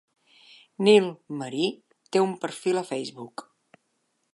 Nil Marí té un perfil a Facebook.